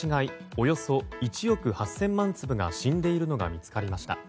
およそ１億８０００万粒が死んでいるのが見つかりました。